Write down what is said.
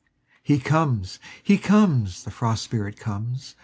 He comes, he comes, the Frost Spirit comes!